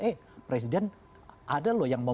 eh presiden ada loh yang mau